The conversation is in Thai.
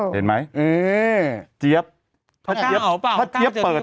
เห็นหน้าเขาหรือเปล่าพี่